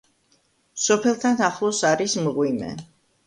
სოფელთან ახლოს არის მღვიმე.